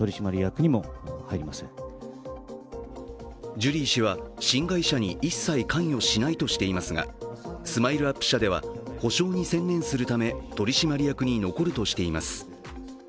ジュリー氏は新会社に一切関与しないとしていますがＳＭＩＬＥ−ＵＰ．社では補償に専念するため取締役に残るとしています。